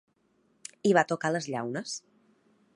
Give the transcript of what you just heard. I va tocar les llaunes.